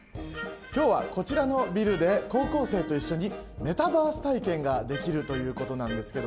今日はこちらのビルで高校生と一緒にメタバース体験ができるということなんですけども。